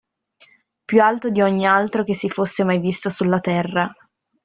Più alto di ogni altro che si fosse mai visto sulla terra.